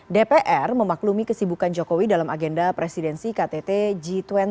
dpr memaklumi kesibukan jokowi dalam agenda presidensi ktt g dua puluh